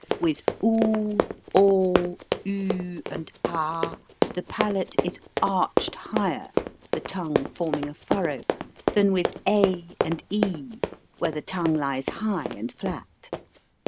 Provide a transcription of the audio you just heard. With oo, o, Uj and ah the palate is arched higher (the tongue forming a furrow) than with a, and e, where the tongue lies high and flat.